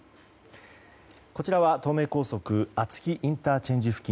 こちらは東名高速厚木ＩＣ付近